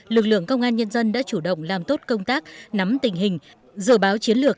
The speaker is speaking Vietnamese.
lực lượng công an nhân dân đã chủ động làm tốt công tác nắm tình hình dự báo chiến lược